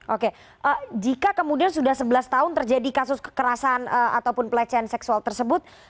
oke jika kemudian sudah sebelas tahun terjadi kasus kekerasan ataupun pelecehan seksual tersebut